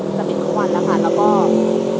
แล้วก็พอเข้าวันที่๒๗จะเริ่มการกระยุกต่อนะคะ